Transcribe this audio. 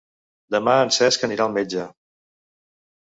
Demà en Cesc anirà al metge.